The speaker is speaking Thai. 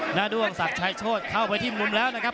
ด้วงศักดิ์ชายโชธเข้าไปที่มุมแล้วนะครับ